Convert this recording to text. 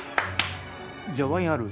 じゃあワインある？